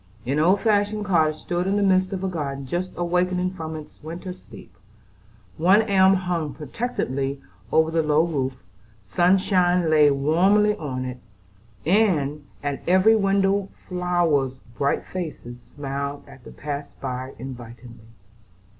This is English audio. An old fashioned cottage stood in the midst of a garden just awakening from its winter sleep. One elm hung protectingly over the low roof, sunshine lay warmly on it, and at every window flowers' bright faces smiled at the passer by invitingly.